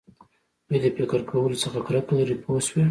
دوی د فکر کولو څخه کرکه لري پوه شوې!.